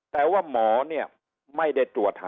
แต่ว่าหมอไม่ได้ตรวจตาม